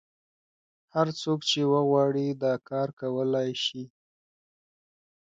هر څوک چې وغواړي دا کار کولای شي.